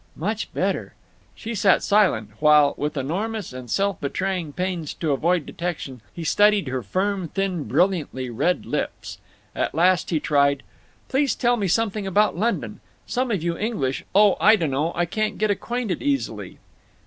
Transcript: Much better." She sat silent while, with enormous and self betraying pains to avoid detection, he studied her firm thin brilliantly red lips. At last he tried: "Please tell me something about London. Some of you English— Oh, I dunno. I can't get acquainted easily."